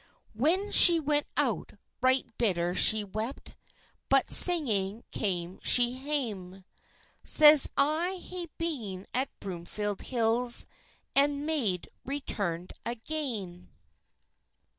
When she went out, right bitter she wept, But singing came she hame; Says, "I hae been at Broomfield Hills, And maid returned again."